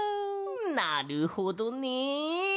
なるほどね。